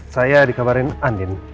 saya dikabarin andin